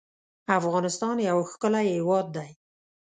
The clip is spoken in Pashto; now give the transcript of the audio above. افغانستان يو ښکلی هېواد دی